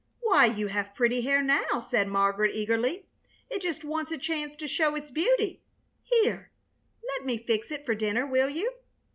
"Why, you have pretty hair now!" said Margaret, eagerly. "It just wants a chance to show its beauty, Here, let me fix it for dinner, will you?"